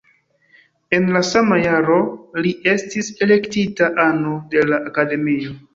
En la sama jaro li estis elektita ano de la Akademio.